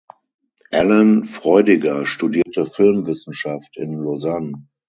Alain Freudiger studierte Filmwissenschaft in Lausanne.